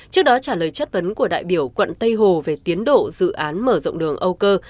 trước đó trả lời chất vấn của đại biểu quận tây hồ về tiến độ dự án mở rộng đường âu cơ